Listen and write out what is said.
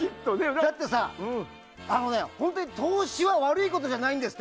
だってさ、投資は悪いことじゃないんですって